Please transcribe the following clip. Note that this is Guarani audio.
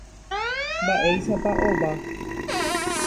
Mba'éichapa ova.